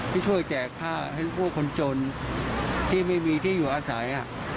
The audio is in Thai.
ที่ช่วยแจกค่าให้ผู้คนจนที่ไม่มีที่อยู่อาศัย